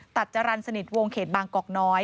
จรรย์สนิทวงเขตบางกอกน้อย